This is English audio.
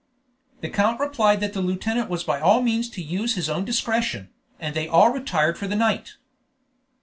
The count replied that the lieutenant was by all means to use his own discretion, and they all retired for the night.